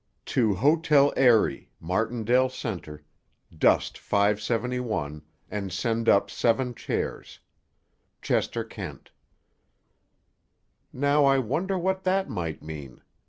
"To Hotel Eyrie, Martindale Center: Dust 571 and send up seven chairs. Chester Kent." "Now I wonder what that might mean?"